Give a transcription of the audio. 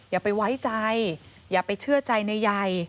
อย่าไปไว้ใจอย่าไปเชื่อใจในใย